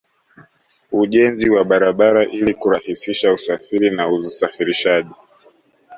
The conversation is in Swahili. Ujenzi wa barabara ili kurahisisha usafiri na usafirishaji